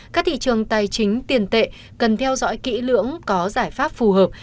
các thị trường tài chính tiền tệ cần theo dõi kỹ lưỡng có giải pháp phù hợp